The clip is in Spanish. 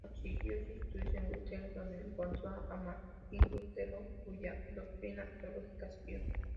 Prosiguió sus estudios en Wittenberg, donde encontró a Martín Lutero, cuya doctrina teológica siguió.